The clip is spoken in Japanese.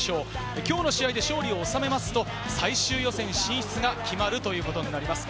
今日の試合で勝利を収めますと最終予選進出が決まるということになります。